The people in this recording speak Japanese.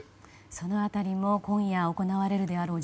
その辺りも今夜行われるだろう